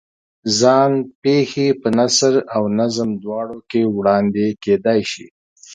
ځان پېښې په نثر او نظم دواړو کې وړاندې کېدای شي.